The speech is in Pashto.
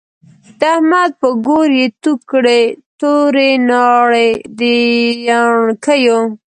د احمد په ګور يې تو کړی، توری ناړی د يڼکيو